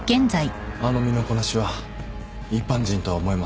あの身のこなしは一般人とは思えません。